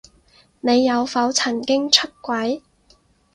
你有否曾經出軌？